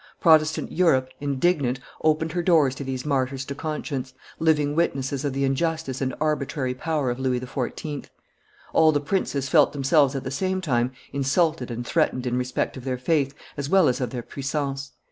Protestant Europe, indignant, opened her doors to these martyrs to conscience, living witnesses of the injustice and arbitrary power of Louis XIV. All the princes felt themselves at the same time insulted and threatened in respect of their faith as well as of their puissance.